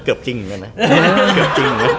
ก็เกือบจริงกันนะ